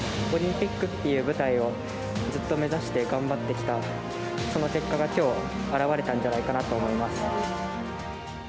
オリンピックっていう舞台を、ずっと目指して頑張ってきた、その結果がきょう、表れたんじゃないかなと思います。